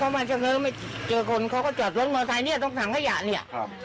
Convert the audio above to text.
พอมาเชิงเฮ้อไม่เจอคนเค้าก็จอดรถมาทางนี้ตรงถังขยะนี่